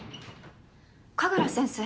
神楽先生。